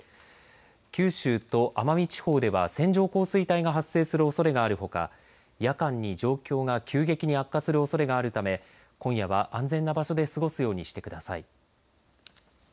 九州と奄美地方では線状降水帯が発生するおそれがあるほか夜間に状況が急激に悪化するおそれがあるため今夜は安全な場所で過ごすようにしてください。